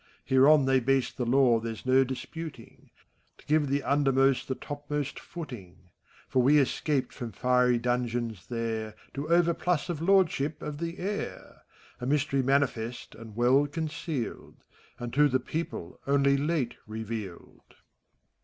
Hereon they base the law there's no disputing, To give the undermost the topmost footing : For we escaped from fiery dungeons there To overplus of lordship of the air ;— A mystery manifest and well concealed. And to the people only late revealed.